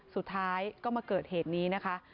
สุดท้ายก็มาเกิดเหตุนี้นะคะ